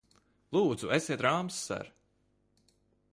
Lūdzu, esiet rāms, ser!